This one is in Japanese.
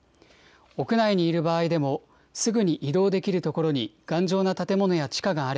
屋内にいる場合でも、すぐに移動できる所に頑丈な建物や地下があ